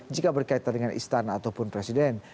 jika berkaitan dengan istana ataupun presiden